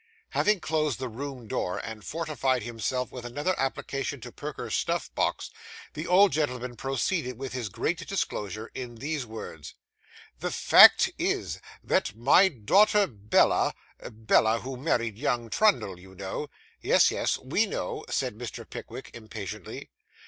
Having closed the room door, and fortified himself with another application to Perker's snuff box, the old gentleman proceeded with his great disclosure in these words 'The fact is, that my daughter Bella Bella, who married young Trundle, you know.' 'Yes, yes, we know,' said Mr. Pickwick impatiently.